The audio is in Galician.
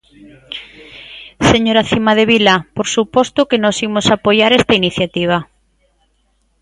Señora Cimadevila, por suposto que nós imos apoiar esta iniciativa.